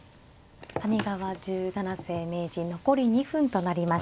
谷川十七世名人残り２分となりました。